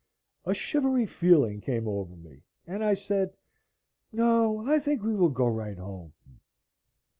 A shivery feeling came over me, and I said: "No, I think we will go right home."